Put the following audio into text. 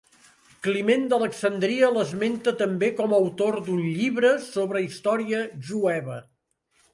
Climent d'Alexandria l'esmenta també com a autor d'un llibre sobre història jueva.